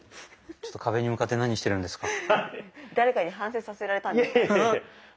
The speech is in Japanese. ちょっと壁に向かって何してるんですか？